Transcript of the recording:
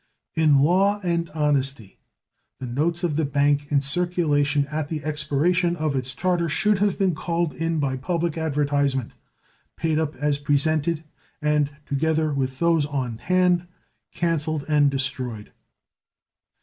In law and honesty the notes of the bank in circulation at the expiration of its charter should have been called in by public advertisement, paid up as presented, and, together with those on hand, canceled and destroyed.